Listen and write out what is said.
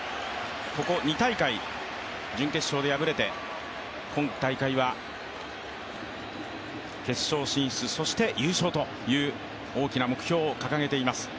ここ２大会、準決勝で敗れて今大会は決勝進出、そして優勝という大きな目標を掲げています。